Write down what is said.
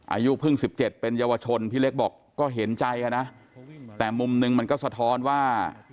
อายุเพิ่ง๑๗เป็นเยาวชนพี่เล็กบอกก็เห็นใจนะแต่มุมหนึ่งมันก็สะท้อนว่า